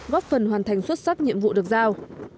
góp phần hoàn thành xuất sắc nhiệm vụ được giao